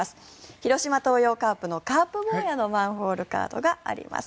広島東洋カープのカープ坊やのマンホールカードがあります。